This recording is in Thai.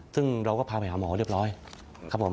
ซึ่งเราก็พาไปหาหมอเรียบร้อยครับผม